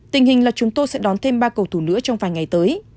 tình hình là chúng tôi sẽ đón thêm ba cầu thủ nữa trong vài ngày tới